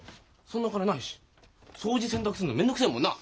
そんな金ないし掃除洗濯するの面倒くせえもんな。